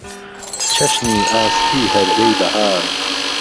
چهشنی ئاسکی ههردهی بههار